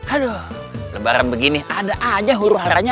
aduh lebaran begini ada aja huru haranya